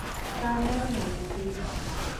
پاملرنه وکړئ